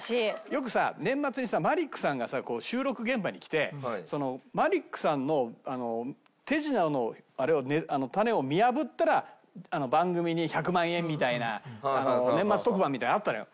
よくさ年末にさマリックさんが収録現場に来てマリックさんの手品のあれをタネを見破ったら番組に１００万円みたいな年末特番みたいなのあったのよ。